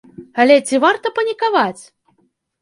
Але ці варта панікаваць?